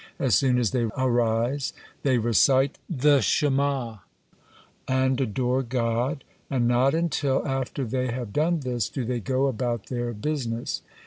As soon as they arise, they recite the Shema' and adore God, and not until after they have done this, do they go about their business.